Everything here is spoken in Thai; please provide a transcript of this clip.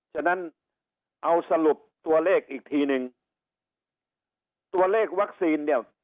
ฉะนั้นเอาสรุปตัวเลขอีกทีนึงตัวเลขวัคซีนเนี่ย